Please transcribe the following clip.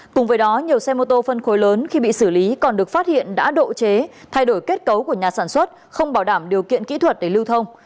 cùng với đó nhiều xe mô tô phân khối lớn khi bị xử lý còn được phát hiện đã độ chế thay đổi kết cấu của nhà sản xuất không bảo đảm điều kiện kỹ thuật để lưu thông